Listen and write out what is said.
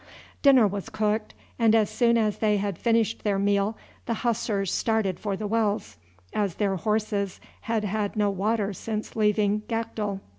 Dinner was cooked, and as soon as they had finished their meal the Hussars started for the wells, as their horses had had no water since leaving Gakdul.